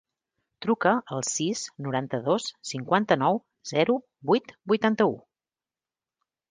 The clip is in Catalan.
Truca al sis, noranta-dos, cinquanta-nou, zero, vuit, vuitanta-u.